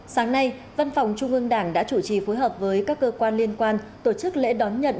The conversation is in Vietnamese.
sáng nay văn phòng trung ương đảng đã chủ trì phối hợp với các cơ quan liên quan tổ chức lễ đón nhận